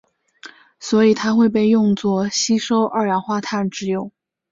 所以它会被用作吸收二氧化碳之用。